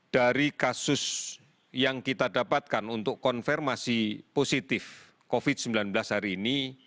dari kasus yang kita dapatkan untuk konfirmasi positif covid sembilan belas hari ini